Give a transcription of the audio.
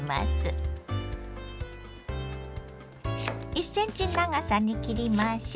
１ｃｍ長さに切りましょ。